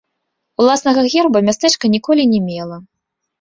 Уласнага герба мястэчка ніколі не мела.